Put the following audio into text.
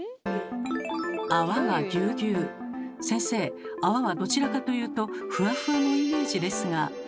先生泡はどちらかというと「ふわふわ」のイメージですが。